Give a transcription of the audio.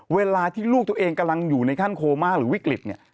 เวลาที่ลูกตัวเองกำลังอยู่ในขั้นโคม่าหรือวิกฤตเนี่ย